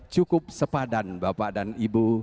cukup sepadan bapak dan ibu